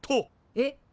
えっ。